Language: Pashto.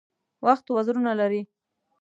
وخت وزرونه لري .